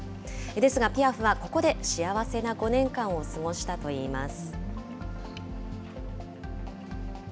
ですが、ピアフはここで幸せな５年間を過ごしたといいます。